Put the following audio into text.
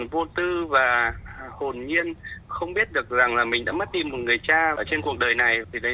mất tư và hồn nhiên không biết được rằng là mình đã mất tìm một người cha ở trên cuộc đời này thì đấy